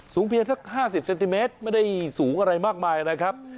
เพียงสัก๕๐เซนติเมตรไม่ได้สูงอะไรมากมายนะครับ